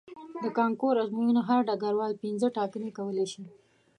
د کانکور ازموینې هر ګډونوال پنځه ټاکنې کولی شي.